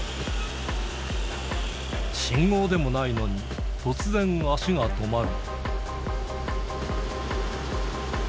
信号でもないのに、突然、足が止まる。